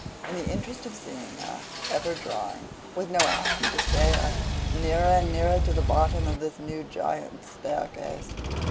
In the interest of seeing her, ever drawing, with no hand to stay her, nearer and nearer to the bottom of this new Giant's Staircase.